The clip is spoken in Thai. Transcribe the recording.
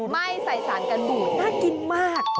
ไม่ใส่สารกันบูดน่ากินมาก